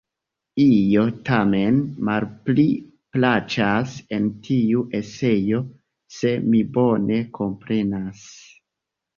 Io tamen malpli plaĉas en tiu eseo, se mi bone komprenas.